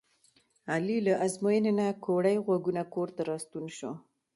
علي له ازموینې نه کوړی غوږونه کورته راستون شو.